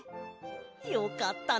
よかったな！